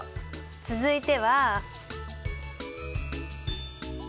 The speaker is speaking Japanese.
続いては。